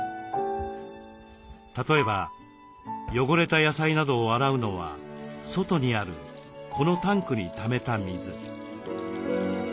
例えば汚れた野菜などを洗うのは外にあるこのタンクにためた水。